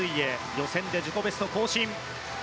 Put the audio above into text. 予選で自己ベスト更新。